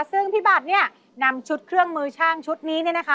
ซึ่งพี่บัตรเนี่ยนำชุดเครื่องมือช่างชุดนี้เนี่ยนะคะ